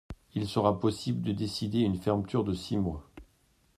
Il sera possible de décider une fermeture de six mois.